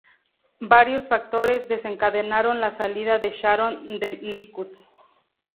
Varios factores desencadenaron la salida de Sharon del Likud.